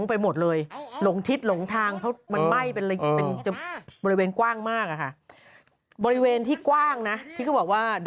เพราะมันมันร้อนนะลูก